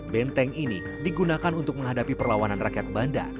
benteng ini digunakan untuk menghadapi perlawanan rakyat banda